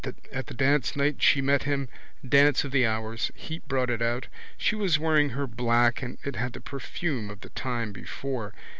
At the dance night she met him, dance of the hours. Heat brought it out. She was wearing her black and it had the perfume of the time before.